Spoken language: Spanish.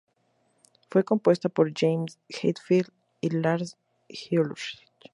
Fue compuesta por James Hetfield y Lars Ulrich.